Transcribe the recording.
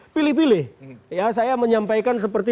pilih pilih ya saya menyampaikan seperti